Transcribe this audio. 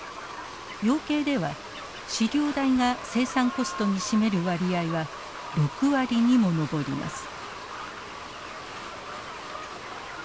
養鶏では飼料代が生産コストに占める割合は６割にも上ります。